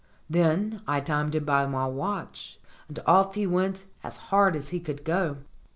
Then I timed him by my watch, and off he went as hard as he could go.